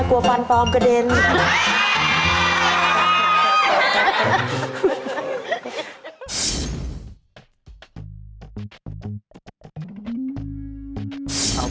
กลัวฟันปลอมกระเด็น